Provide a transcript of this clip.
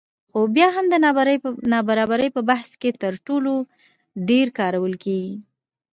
خو بیا هم د نابرابرۍ په بحث کې تر ټولو ډېر کارول کېږي